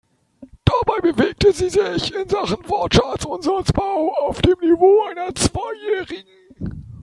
Dabei bewegte sie sich in Sachen Wortschatz und Satzbau auf dem Niveau einer Zweijährigen.